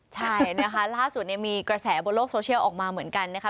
ใช่นะคะล่าสุดมีกระแสบนโลกโซเชียลออกมาเหมือนกันนะคะ